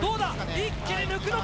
一気に抜くのか？